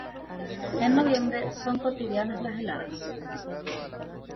En noviembre son cotidianas las heladas.